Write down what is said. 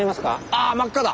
ああ真っ赤だ。